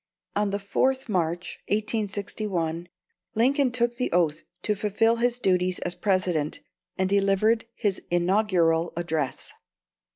On the 4th March, 1861, Lincoln took the oath to fulfil his duties as President, and delivered his inaugural address.